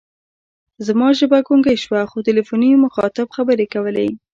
زما ژبه ګونګۍ شوه، خو تلیفوني مخاطب خبرې کولې.